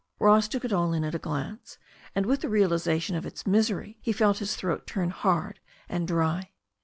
Ross took it all in at a glance, and with the realization of its misery he felt his throat turn hard and dry.